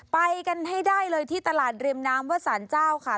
ไปกันให้ได้เลยที่ตลาดริมน้ำวัดสารเจ้าค่ะ